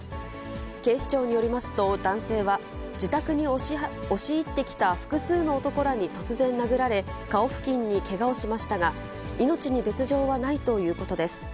警視庁によりますと、男性は、自宅に押し入ってきた複数の男らに突然殴られ、顔付近にけがをしましたが、命に別状はないということです。